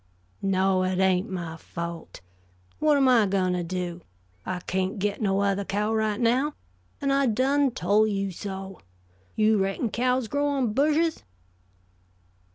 "No, it ain't my fault. Whut am I going to do? I kaint get no otheh cow right now, and I done tol' you so. You reckon cows grows on bushes?"